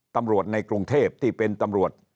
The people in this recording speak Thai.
ตำรวจในกรุงเทพที่เป็นตำรวจ